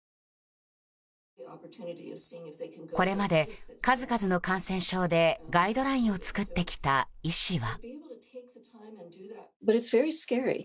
これまで数々の感染症でガイドラインを作ってきた医師は。